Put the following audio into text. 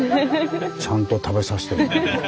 ちゃんと食べさせてるんだね。